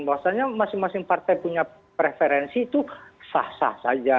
bahwasannya masing masing partai punya preferensi itu sah sah saja